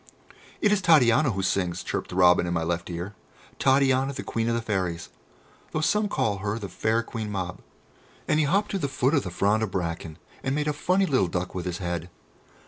"It is Titania who sings," chirped the robin in my left ear; "Titania, the Queen of the Fairies, though some call her the fair Queen Mab!" And he hopped to the foot of the frond of bracken and made a funny little duck with his head.